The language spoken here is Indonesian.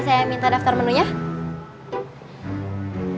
ya boleh saya minta daftar menunya ditunggu ya masa di kafe cuman mesen teh